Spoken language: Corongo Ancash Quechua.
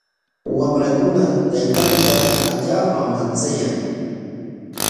Wamrakuna taytanta allaapam manchayan.